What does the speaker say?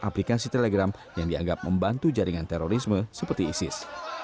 aplikasi telegram yang dianggap membantu jaringan terorisme seperti isis